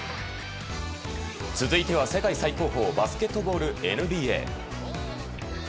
続いては、世界最高峰バスケットボールＮＢＡ。